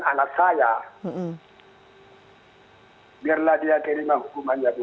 sesuai dengan perbuatan anak saya biarlah dia terima hukuman ya bu